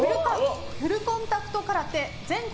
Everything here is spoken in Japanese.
フルコンタクト空手全国